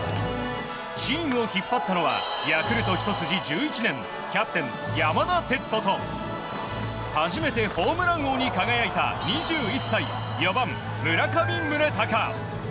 チームを引っ張ったのはヤクルトひと筋１１年キャプテン、山田哲人と初めてホームラン王に輝いた２１歳、４番、村上宗隆。